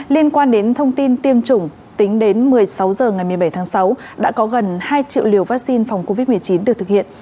liên quan đến thông tin tiêm chủng tính đến một mươi sáu h ngày một mươi bảy tháng sáu đã có gần hai triệu liều vaccine phòng covid một mươi chín được thực hiện